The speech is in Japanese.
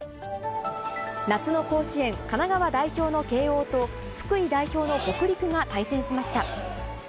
夏の甲子園、神奈川代表の慶応と、福井代表の北陸が対戦しました。